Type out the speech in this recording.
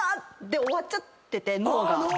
で終わっちゃってて脳が。